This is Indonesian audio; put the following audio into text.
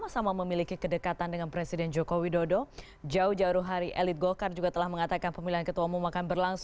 saya memutuskan untuk calling down ketika melihat tensi politik yang makin memanas